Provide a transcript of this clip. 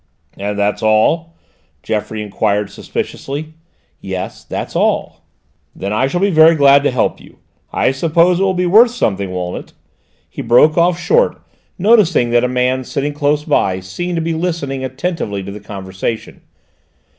"And that's all?" Geoffroy enquired suspiciously. "Yes, that's all." "Then I shall be very glad to help you: I suppose it will be worth something, won't it?" He broke off short, noticing that a man sitting close by seemed to be listening attentively to the conversation.